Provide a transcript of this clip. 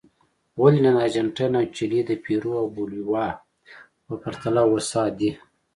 ولې نن ارجنټاین او چیلي د پیرو او بولیویا په پرتله هوسا دي.